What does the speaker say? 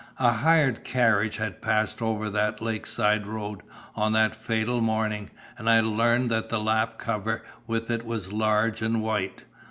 A hired carriage had passed over that lakeside road on that fatal morning, and I learned that the lap cover with it was 'large and white.'